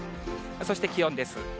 そして気温です。